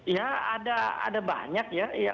ya ada banyak ya